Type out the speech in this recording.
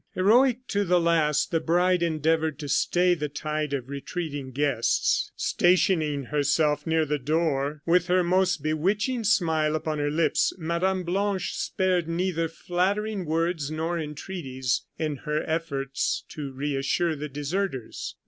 Heroic to the last, the bride endeavored to stay the tide of retreating guests. Stationing herself near the door, with her most bewitching smile upon her lips, Madame Blanche spared neither flattering words nor entreaties in her efforts to reassure the deserters.